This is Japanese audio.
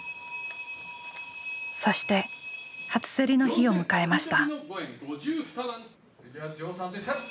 そして初せりの日を迎えました。